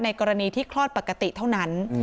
กรณีที่คลอดปกติเท่านั้น